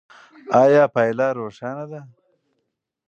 ایا پایله روښانه ده؟